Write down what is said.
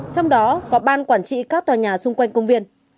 trong đó có ban quản trị các tòa nhà xung quanh công viên